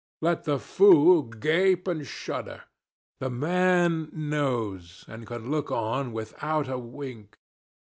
Let the fool gape and shudder the man knows, and can look on without a wink.